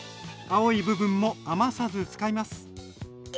青い部分も余さず使います。